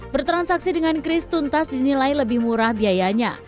bertransaksi dengan kris tuntas dinilai lebih murah biayanya